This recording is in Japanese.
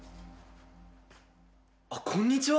あっこんにちは！